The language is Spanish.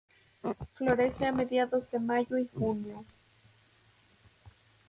Florece a mediados de mayo y junio.